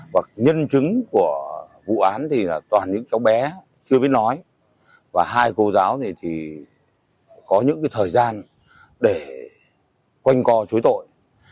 và nhân chứng của vụ án thì là toàn những cháu bé chưa biết nói và hai cô giáo thì có những thời gian để quanh co chối tội